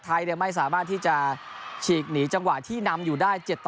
ไทยไม่สามารถที่จะฉีกหนีจังหวะที่นำอยู่ได้๗ต่อ